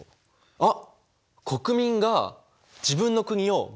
あっ！